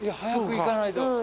早く行かないと。